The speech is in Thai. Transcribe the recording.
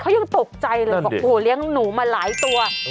เขายังตกใจเลยบอกโอ้โหเลี้ยงหนูมาหลายตัว